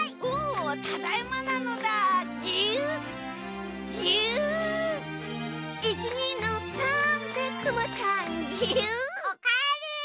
おかえり！